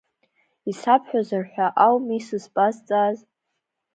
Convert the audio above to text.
Исабҳәозар ҳәа ауми сызбазҵааз.